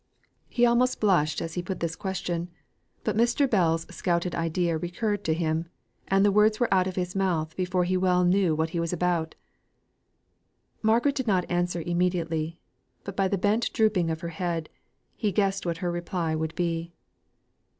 He almost blushed as he put this question; but Mr. Bell's scouted idea recurred to him, and the words were out of his mouth before he well knew what he was about. Margaret did not answer immediately; but by the bent drooping of her head, he guessed what her reply would be.